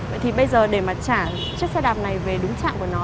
vậy thì bây giờ để mà trả chiếc xe đạp này về đúng trạm của nó